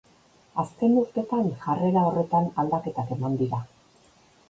Azken urtetan jarrera horretan aldaketak eman dira.